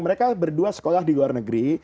mereka berdua sekolah di luar negeri